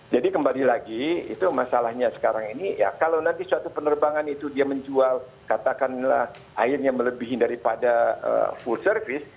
jadi kembali lagi itu masalahnya sekarang ini ya kalau nanti suatu penerbangan itu dia menjual katakanlah airnya melebihi daripada full service